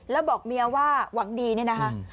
และบอกเมียว่าวังดีนะคะ